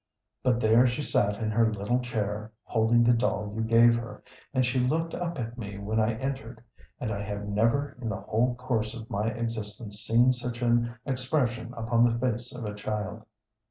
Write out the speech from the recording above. But there she sat in her little chair, holding the doll you gave her, and she looked up at me when I entered, and I have never in the whole course of my existence seen such an expression upon the face of a child.